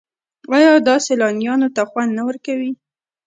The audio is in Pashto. آیا دا سیلانیانو ته خوند نه ورکوي؟